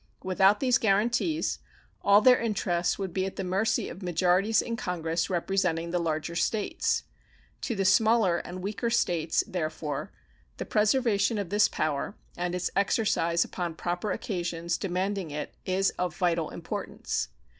Without these guaranties all their interests would be at the mercy of majorities in Congress representing the larger States. To the smaller and weaker States, therefore, the preservation of this power and its exercise upon proper occasions demanding it is of vital importance.